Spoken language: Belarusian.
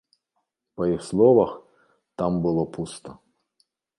Па іх словах, там было пуста.